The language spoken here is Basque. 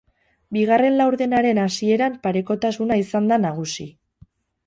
Bigarren laurdenaren hasieran parekotasuna izan da nagusi.